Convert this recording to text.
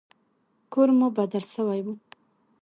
کور مو بدل سوى و.